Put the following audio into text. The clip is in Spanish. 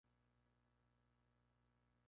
Es originario de Nueva Guinea y sur del Pacífico.